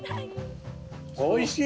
おいしい！